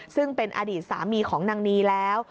ซึ่งเป็นอดีตสามีของนางนีแล้ว